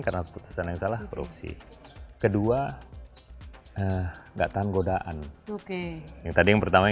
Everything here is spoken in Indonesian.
karena keputusan yang salah korupsi kedua eh enggak tahan godaan oke yang tadi yang pertama